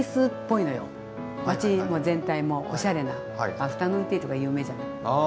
アフタヌーンティーとか有名じゃない。